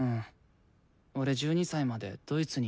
俺１２歳までドイツにいたから。